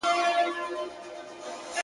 د ژوند و دغه سُر ته گډ يم و دې تال ته گډ يم,